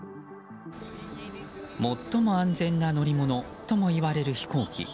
最も安全な乗り物ともいわれる飛行機。